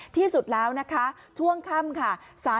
ที่สุดแล้วนะคะช่วงค่ำค่ะ